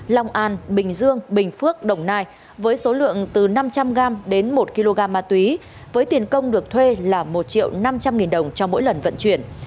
long an bình dương bình phước đồng nai với số lượng từ năm trăm linh gram đến một kg ma túy với tiền công được thuê là một triệu năm trăm linh nghìn đồng cho mỗi lần vận chuyển